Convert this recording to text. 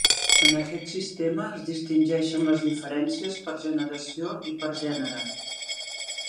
En aquest sistema es distingeixen les diferències per generació i per gènere.